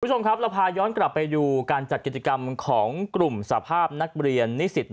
คุณผู้ชมครับเราพาย้อนกลับไปดูการจัดกิจกรรมของกลุ่มสภาพนักเรียนนิสิต